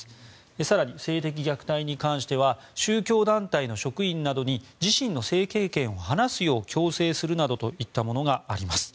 更に性的虐待に関しては宗教団体の職員などに自身の性経験を話すよう強制するなどがあります。